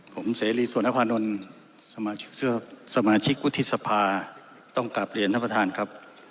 ผมเสรีสวนภานนท์สมาชิกวุฒิสภาต้องกลับเรียนท่านประธานครับ